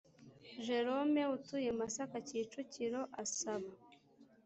Jerome utuye masaka kicukiro asaba